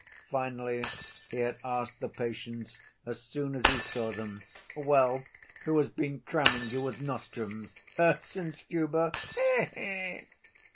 Finally, he had asked the patients as soon as he saw them, "Well, who has been cramming you with nostrums? Herzenstube? He, he!"